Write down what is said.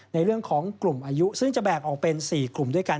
ในเรื่องของกลุ่มอายุซึ่งจะแบ่งออกเป็น๔กลุ่มด้วยกัน